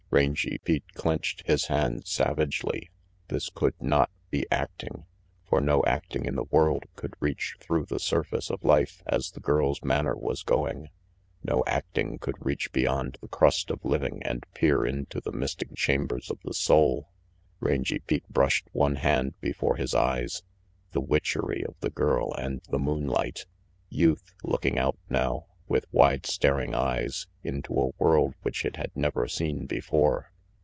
Rangy Pete clenched his hands savagely. This could not be acting, for no acting in the world could reach through the surface of life as the girl's manner was going, no acting could reach beyond the crust of living and peer into the mystic chambers of the soul. Rangy Pete brushed one hand before his eyes. The witchery of the girl and the moonlight! Youth, looking out now, with wide staring eyes, into a world which it had never seen before.